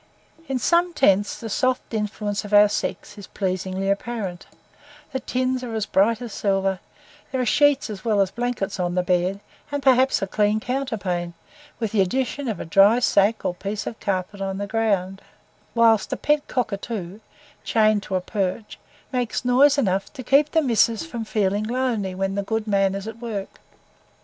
In some tents the soft influence of our sex is pleasingly apparent: the tins are as bright as silver, there are sheets as well as blankets on the beds, and perhaps a clean counterpane, with the addition of a dry sack or piece of carpet on the ground; whilst a pet cockatoo, chained to a perch, makes noise enough to keep the "missus" from feeling lonely when the good man is at work.